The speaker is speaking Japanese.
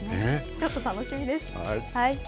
ちょっと楽しみです。